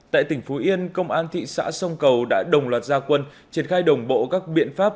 tại tỉnh phú yên công an thị xã sông cầu đã đồng loạt gia quân triển khai đồng bộ các biện pháp